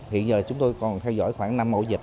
hiện giờ chúng tôi còn theo dõi khoảng năm ổ dịch